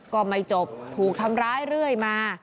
ก็ไม่จบถูกทำร้ายเรื่อยมา